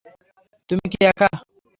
তুমি কি একা?